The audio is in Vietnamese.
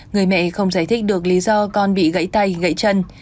người mẹ không giải thích được lý do con bị gãy tay gãy chân